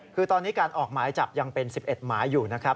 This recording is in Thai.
คือตอนนี้การออกหมายจับยังเป็น๑๑หมายอยู่นะครับ